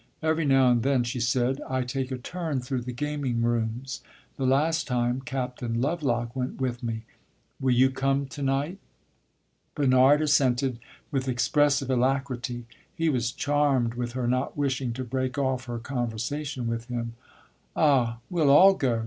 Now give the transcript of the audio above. "Every now and then," she said, "I take a turn through the gaming rooms. The last time, Captain Lovelock went with me. Will you come to night?" Bernard assented with expressive alacrity; he was charmed with her not wishing to break off her conversation with him. "Ah, we 'll all go!"